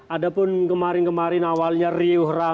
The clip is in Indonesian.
ada pun kemarin kemarin awalnya riuh